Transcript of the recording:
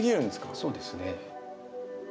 そうですね。